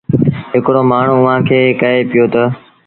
هڪڙو مآڻهوٚٚݩ اُئآݩ کي ڪهي پيو تا